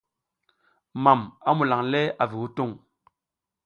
Mam a mulan le avu hutung.